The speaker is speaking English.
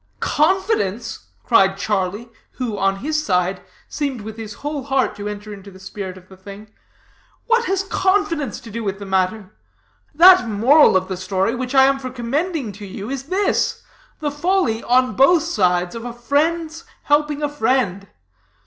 "Confidence?" cried Charlie, who, on his side, seemed with his whole heart to enter into the spirit of the thing, "what has confidence to do with the matter? That moral of the story, which I am for commending to you, is this: the folly, on both sides, of a friend's helping a friend.